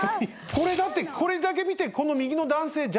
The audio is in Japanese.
だってこれだけ見てこの右の男性。